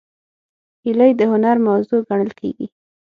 هیلۍ د هنر موضوع ګڼل کېږي